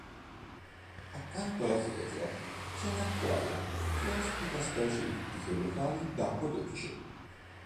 Accanto alla chiesa c'è un acquario che ospita specie ittiche locali d'acqua dolce.